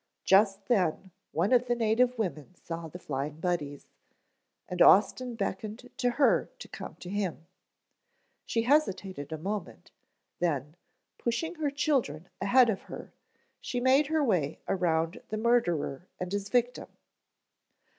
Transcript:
Just then one of the native women saw the Flying Buddies, and Austin beckoned to her to come to him. She hesitated a moment, then, pushing her children ahead of her, she made her way around the murderer and his victim.